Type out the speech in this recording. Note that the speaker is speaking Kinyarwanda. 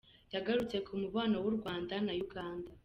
Yagarutse ku mubano w’u Rwanda na Uganda